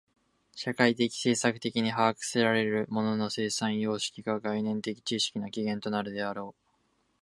社会的制作的に把握せられる物の生産様式が概念的知識の起源となるのであろう。